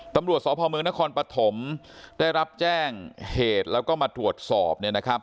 ตำรวจศพเมืองนครปฐมได้รับแจ้งเหตุแล้วก็มาตรวจสอบ